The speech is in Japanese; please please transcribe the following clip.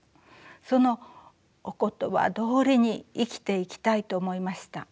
そのお言葉どおりに生きていきたいと思いました。